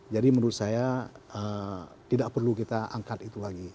jadi menurut saya tidak perlu kita angkat itu lagi